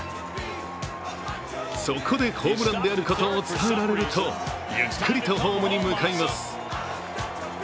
そこで、ホームランであることを伝えられるとゆっくりとホームに向かいます。